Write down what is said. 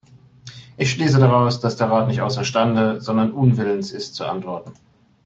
Ich schließe daraus, dass der Rat nicht außerstande, sondern unwillens ist zu antworten.